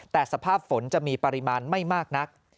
แต่สภาพฝนจะมีปริมาณไม่มากนัก